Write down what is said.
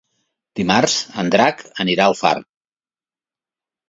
Dimarts en Drac anirà a Alfarb.